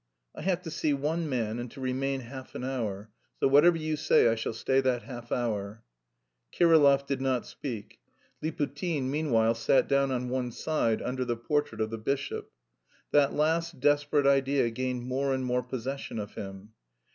"I have to see one man and to remain half an hour, so whatever you say I shall stay that half hour." Kirillov did not speak. Liputin meanwhile sat down on one side under the portrait of the bishop. That last desperate idea gained more and more possession of him.